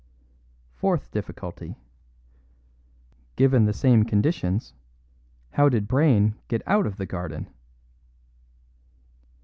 Fourth difficulty: Given the same conditions, how did Brayne get out of the garden?"